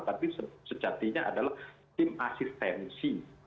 tapi sejatinya adalah tim asistensi